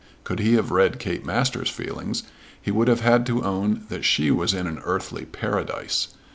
Could he have read Kate Masters' feelings he would have had to own that she was in an earthly Paradise.